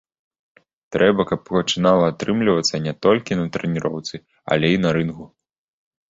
Трэба, каб пачынала атрымлівацца не толькі на трэніроўцы, але і на рынгу.